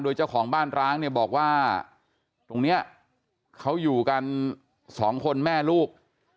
โดยเจ้าของบ้านร้างเนี่ยบอกว่าตรงนี้เขาอยู่กันสองคนแม่ลูก